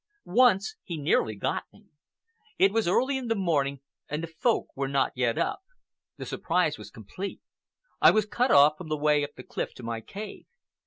Once he nearly got me. It was early in the morning, and the Folk were not yet up. The surprise was complete. I was cut off from the way up the cliff to my cave.